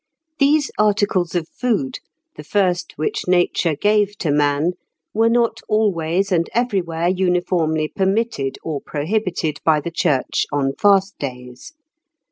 These articles of food, the first which nature gave to man, were not always and everywhere uniformly permitted or prohibited by the Church on fast days.